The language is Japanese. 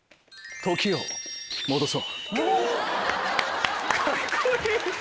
時を戻そう。